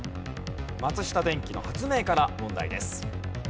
松下電器の発明から問題です。